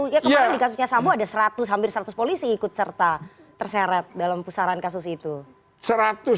ya kemarin di kasusnya sambo ada seratus hampir seratus polisi ikut serta terseret dalam pusaran kasus itu